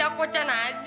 aku juga meriah banget